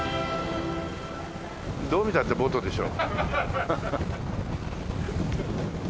どう見たってボートでしょ。